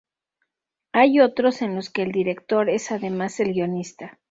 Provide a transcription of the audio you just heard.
Hay otros en los que el director es además el guionista.